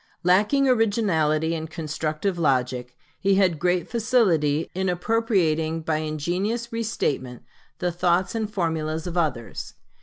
Lacking originality and constructive logic, he had great facility in appropriating by ingenious restatement the thoughts and formulas of others.